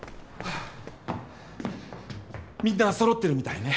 みんなそろってるみたいね。